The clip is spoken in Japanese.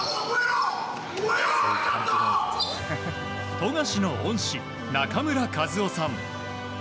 富樫の恩師、中村和雄さん。